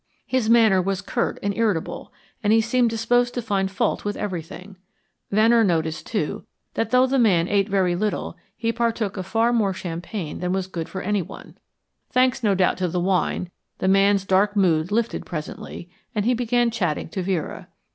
His manner was curt and irritable, and he seemed disposed to find fault with everything. Venner noticed, too, that though the man ate very little he partook of far more champagne than was good for anyone. Thanks no doubt to the wine, the man's dark mood lifted presently, and he began chatting to Vera.